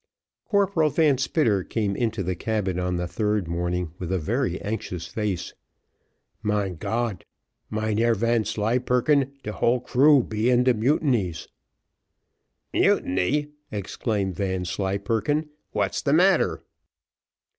Corporal Van Spitter came into the cabin on the third morning with a very anxious face. "Mein Gott! Mynheer Vanslyperken, de whole crew be in de mutinys." "Mutiny!" exclaimed Vanslyperken, "what's the matter?"